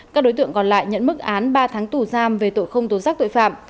các đối tượng còn lại nhận mức án ba tháng tù giam về tội không tổn sắc tội phạm